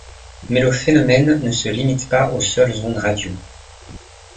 Mais le phénomène ne se limite pas aux seules ondes radio.